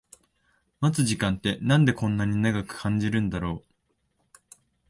待つ時間ってなんでこんな長く感じるんだろう